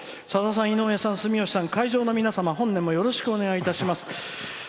さださん、井上さん、住吉さん会場の皆様、本年もよろしくお願いいたします。